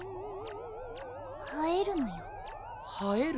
生えるのよ生える？